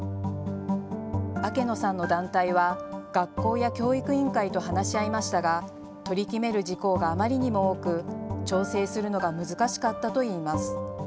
明野さんの団体は学校や教育委員会と話し合いましたが取り決める事項があまりにも多く調整するのが難しかったといいます。